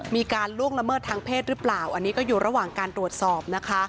ล่วงละเมิดทางเพศหรือเปล่าอันนี้ก็อยู่ระหว่างการตรวจสอบนะคะ